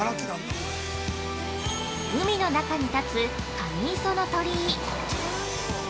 ◆海の中に立つ神磯の鳥居。